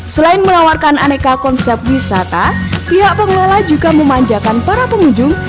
selain menawarkan aneka konsep wisata pihak pengelola juga memanjakan para pengunjung